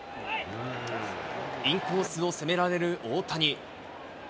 インコースを攻められる大谷。